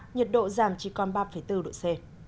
nhiệt độ giảm chỉ còn ba bốn độ c